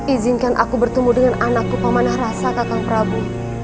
izinkan aku bertemu dengan anakku paman arasa kakang prabu